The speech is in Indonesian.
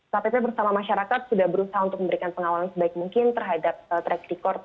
kpp bersama masyarakat sudah berusaha untuk memberikan pengawalan sebaik mungkin terhadap track record